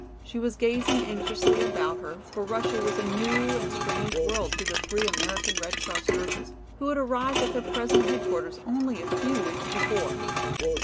She was gazing anxiously about her, for Russia was a new and strange world to the three American Red Cross nurses, who had arrived at their present headquarters only a few weeks before.